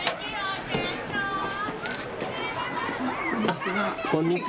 こんにちは。